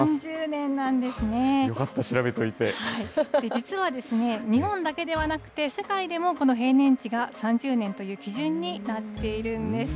実は、日本だけではなくて、世界でも、この平年値が３０年という基準になっているんです。